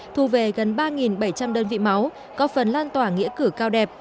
thu về gần ba bảy trăm linh đơn vị máu có phần lan tỏa nghĩa cử cao đẹp